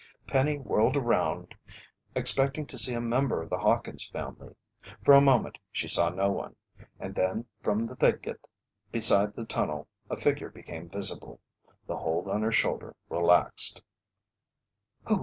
Penny whirled around, expecting to see a member of the Hawkins' family. For a moment she saw no one, and then from the thicket beside the tunnel, a figure became visible. The hold on her shoulder relaxed.